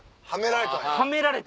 はめられた。